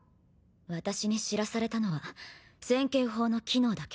私に知らされたのは千景砲の機能だけ。